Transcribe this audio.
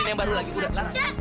siapa baru lagi kudat lara